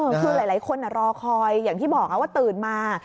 คือหลายคนรอคอยอย่างที่บอกว่าตื่นมา